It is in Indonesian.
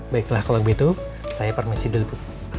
baiklah kalau begitu saya permisi dulu